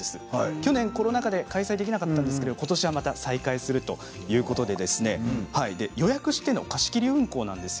去年、コロナ禍で開催できなかったんですがことしはまた再開するということで予約しての貸し切り運行なんです。